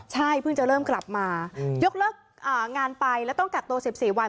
ใช่เพิ่งจะเริ่มกลับมายกเลิกงานไปแล้วต้องกักตัว๑๔วัน